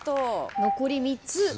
残り３つ。